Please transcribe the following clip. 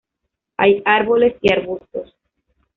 Hay árboles y arbustos.